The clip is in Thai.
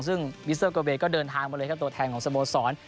ซึ่งมิสเตอร์โกเวย์ก็เดินทางมาเลยครับตัวแทนของสโมสร